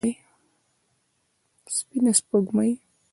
سپينه سپوږمۍ